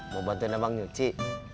mau bantuin abang nyuci